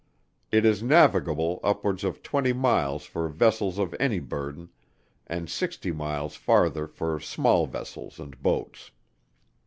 It is navigable upwards of twenty miles for vessels of any burthen, and sixty miles farther for small vessels and boats.